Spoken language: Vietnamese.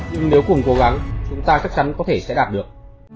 nhưng nếu cùng cố gắng chúng ta chắc chắn có thể sẽ đạt được